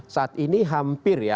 saat ini hampir ya